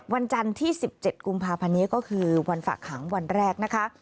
วันจันทร์ที่๑๗กุมภาพันธ์นี้ก็คือวันฝากขังวันแรกนะคะ